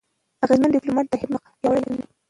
اغېزمن ډيپلوماټ د هېواد موقف پیاوړی کوي.